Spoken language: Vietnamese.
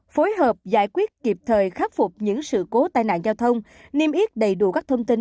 phối hợp giải quyết kịp thời khắc phục những sự cố tai nạn giao thông niêm yết đầy đủ các thông tin